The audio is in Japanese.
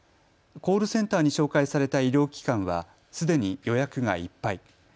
コールセンターに紹介された医療機関はすでに予約がいっぱい。